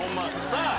さあ